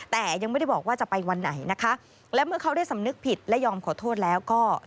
แต่ยังไม่ได้บอกว่าจะไปวันไหนนะคะและเมื่อเขาได้สำนึกผิดและยอมขอโทษแล้วก็